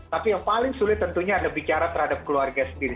tapi yang paling sulit tentunya adalah bicara terhadap keluarga sendiri